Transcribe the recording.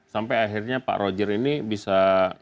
sampai akhirnya pak roger ini bisa